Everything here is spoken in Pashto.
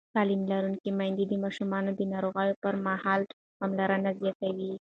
تعلیم لرونکې میندې د ماشومانو د ناروغۍ پر مهال پاملرنه زیاتوي.